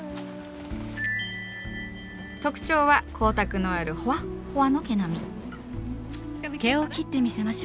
特徴は光沢のあるほわっほわの毛並み。